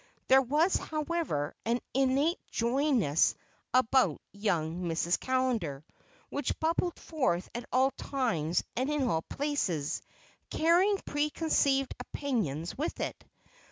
There was, however, an innate joyousness about young Mrs. Callender which bubbled forth at all times and in all places, carrying preconceived opinions with it.